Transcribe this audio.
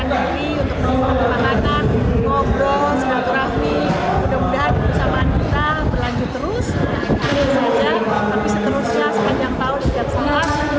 menempatkan diri untuk berbual berbual berbual berbual berbual berbual berbual berbual berbual berbual berbual